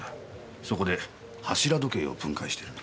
そこで柱時計を分解してる。